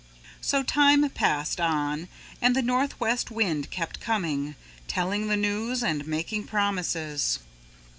So time passed on and the Northwest Wind kept coming, telling the news and making promises.